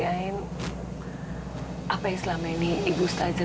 apa yang selama ini ibu ustazah bilang